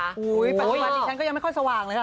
ปัจจุบันนี้ฉันก็ยังไม่ค่อยสว่างเลยค่ะ